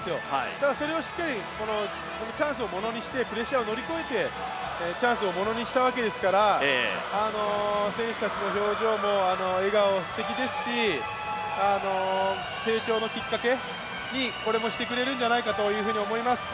ただ、それをしっかりこのチャンスをものにしてプレッシャーを乗り越えてチャンスをものにしたわけですから、選手たちの表情も笑顔、すてきですし成長のきっかけにこれもしてくれるんじゃないかというふうに思います。